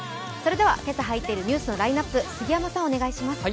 今朝入っているニュースのラインナップ、杉山さん、お願いします。